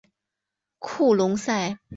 库隆塞。